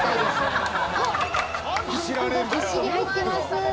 あんこが、ぎっしり入ってます。